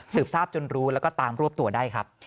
ทราบจนรู้แล้วก็ตามรวบตัวได้ครับ